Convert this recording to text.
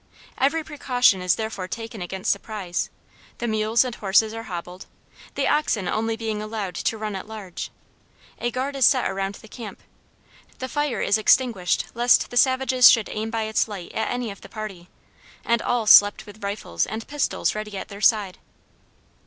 Every precaution is therefore taken against surprise; the mules and horses are hobbled, the oxen only being allowed to run at large; a guard is set around the camp; the fire is extinguished lest the savages should aim by its light at any of the party; and all slept with rifles and pistols ready at their side.